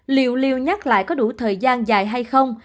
liệu lưu nhắc lại có đủ thời gian dài hay không